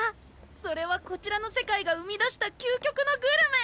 それはこちらの世界が生み出した究極のグルメ！